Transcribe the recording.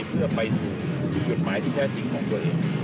เพื่อไปดูกฎหมายที่แท้จริงของตัวเอง